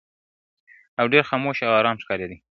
او ډېر خاموش او آرام ښکارېدی -